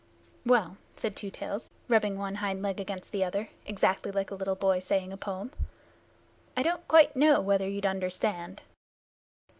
"Well," said Two Tails, rubbing one hind leg against the other, exactly like a little boy saying a poem, "I don't quite know whether you'd understand."